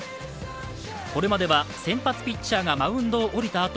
これまでは先発ピッチャーがマウンドを降りた